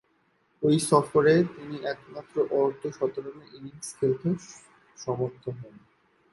ঐ সফরে তিনি একটিমাত্র অর্ধ-শতরানের ইনিংস খেলতে সমর্থ হন।